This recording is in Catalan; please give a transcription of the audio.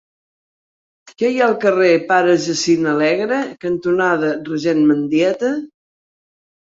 Què hi ha al carrer Pare Jacint Alegre cantonada Regent Mendieta?